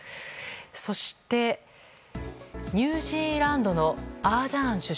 そして、ニュージーランドのアーダーン首相